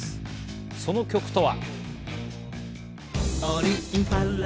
その曲とは。